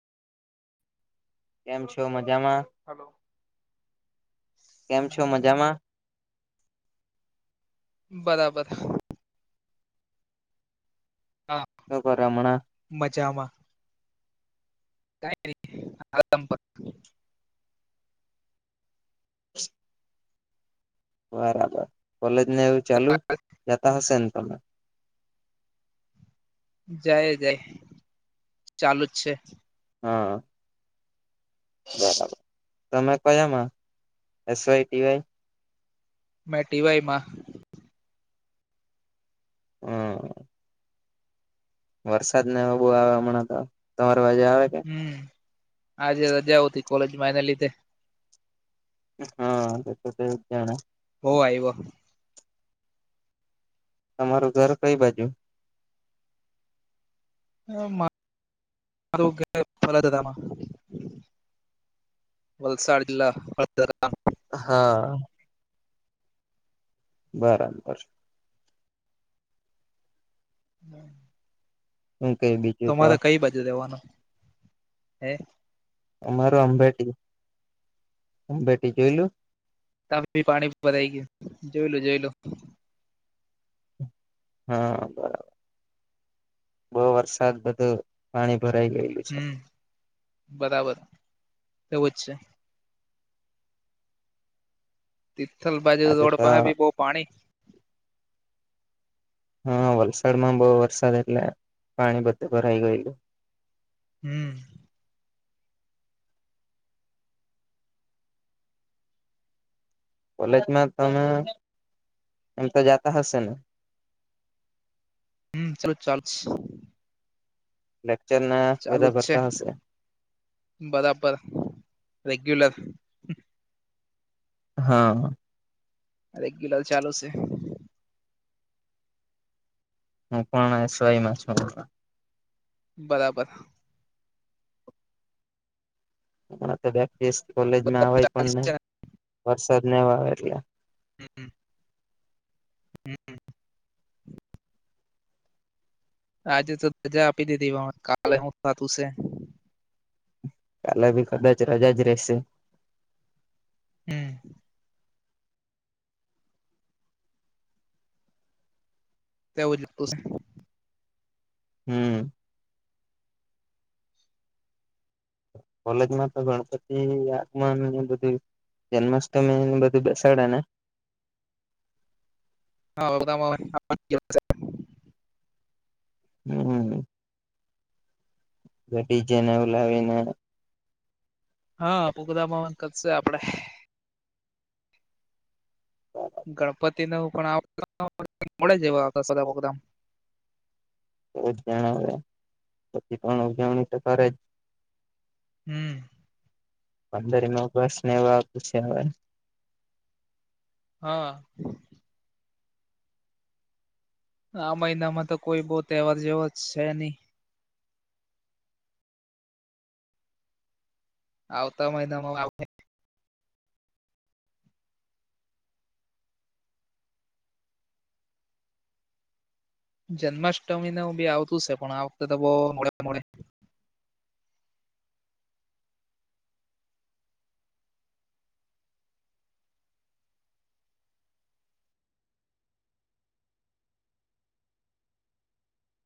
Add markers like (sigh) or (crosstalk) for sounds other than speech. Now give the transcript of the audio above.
કેમ છો મજામાં? હલો. કેમ છો મજામાં? બરાબર. હા. એ કરમણા. મજામાં. કઈ? (inaudible) (inaudible) બરાબર કોલેજ ને એવું ચાલુ જતા હશે ને તમે. જાય જાય ચાલુ જ છે. હા. બરાબર તમે કયામાં એસ વાય ટી વાય. મે ટીવાય માં. હ વરસાદ ના બો આવે અમણા તો તમાર વાજે આવે કે હમ આજે રજા ઉતી કોલેજ મા એના લીધે. હા એ તો તું જ જાણે. હો આયવો. તમારું ઘર કઈ બાજુ? (unintelligible) વલસાડ જિલ્લા હળદરા ગામ. હા. બરાબર. (inaudible) હું કેય બીજ? તો મારે કઈ બાજુ રેવાનું હે? અમાર અંબેટી અંબેટી જોઈલું. તા બી પાણી ભરાઈ ગયેયું જોયેલુ જોયેલુ. હા બરાબર. બઉ વરસાદ હતુ પાણી ભરાઈ ગયેલું. છે હમ બરાબર એવું જ છે. તિથલ બાજુ આજે રોડ તો પાહે બી બહુ પાણી. હા વલસાડ માં બહુ વરસાદ એટલે પાણી બધે ભરાઈ ગયેલું. હમ. કોલેજમાં તમે એમ તો જાતા હશે ને? હમ ચાલુ-ચાલુ જ છે. (unintelligible) ચાલુ બધા જ છે ભરતા હશે બરાબર રેગ્યુલર. હા. રેગ્યુલર ચાલુ શે. હું પણ એસ વાય માં છું. બરાબર. પાછો બે એક દિવસ કોલેજમાં આવય પણ વરસાદ ને એવો આવે એટલે. હમ-હમ. હમ હમ આજે તો રજા આપી દીધી પણ કાલે હું થાતું સે. કાલે ભી કદાચ રજા જ રહેશે. હમ. તેવું જ (unintelligible) હમ. કોલેજ માં તો ગણપતિ આગમન ને એ બધુય જન્માષ્ટમી ને બધું બેસાડે ને? (unintelligible) હમ. ને ડીજે ને બોલાવીને હા (unintelligible) કરશે આપડે. હા. ગણપતિનો પણ આ (unintelligible) બધા પ્રોગ્રામ. એજ જાણે અવે પછી પણ ઉજવણી તો કરેજ હમ. પંદરમી ઓગસ્ટ નેવુ આવતુ છે, હવે હ. આ મહિનામાં તો કોઈ બો તહેવાર જેવો છે ની આવતા મહિનામાં આવહે જન્માષ્ટમી ને એવું બી આવતું છે, પણ આ વખતે તો બો મોડે મોડે